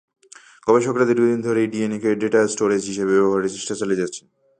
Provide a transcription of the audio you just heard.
গবেষকেরা দীর্ঘদিন ধরেই ডিএনএকে data storage হিসেবে ব্যবহারের চেষ্টা চালিয়ে যাচ্ছেন।